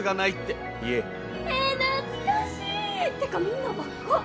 え懐かしい！ってかみんな若っ！